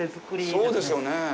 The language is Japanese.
そうですよね。